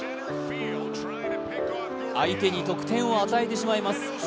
相手に得点を与えてしまいます。